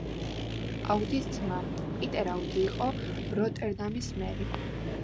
აუდის ძმა, პიტერ აუდი იყო როტერდამის მერი.